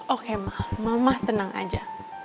oke mah mama tenang aja